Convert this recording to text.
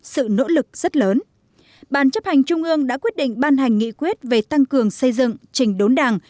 sự nỗ lực rất lớn bàn chấp hành trung ương đã quyết định ban hành nghị quyết về tăng cường xây dựng trình đốn đảng